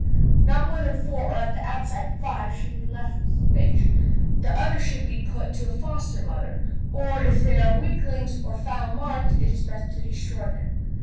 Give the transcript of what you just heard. Not more than four, or at the outside five, should be left with the bitch; the others should be put to a foster mother, or if they are weaklings or foul marked, it is best to destroy them.